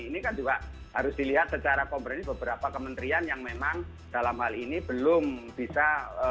ini kan juga harus dilihat secara komprehensif beberapa kementerian yang memang dalam hal ini belum bisa